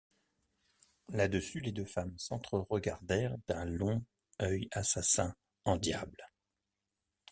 Là-dessus, les deux femmes s’entre-resguardèrent d’ung œil assassin en diable.